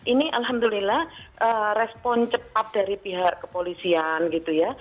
ini alhamdulillah respon cepat dari pihak kepolisian gitu ya